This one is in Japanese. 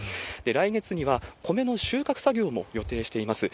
来月には、米の収穫作業も予定しています。